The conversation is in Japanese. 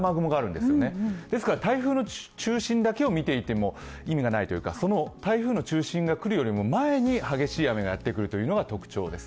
ですから台風の中心だけを見ていても意味がないというかその台風の中心が来るよりも先に激しい雨がやってくるというのが特徴です。